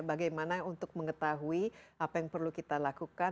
bagaimana untuk mengetahui apa yang perlu kita lakukan